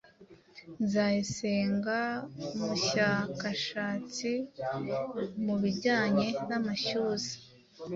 Nzayisenga Umushyakashatsi mu bijyanye n’amashyuza